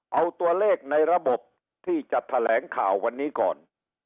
เอาตัวเลขในระบบที่จะแถลงข่าววันนี้ก่อน